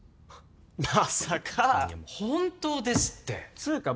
まさか本当ですってつーか